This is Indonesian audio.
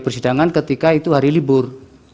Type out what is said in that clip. persidangan ketika itu hari libur